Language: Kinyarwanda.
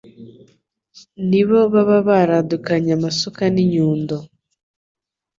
Nibo baba baradukanye amasuka n'inyundo .